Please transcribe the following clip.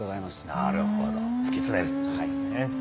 なるほど突き詰めるということですね。